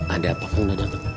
ada apa kan udah datang